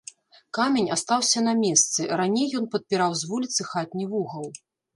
Камень астаўся на месцы, раней ён падпіраў з вуліцы хатні вугал.